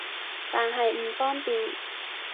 但係唔方便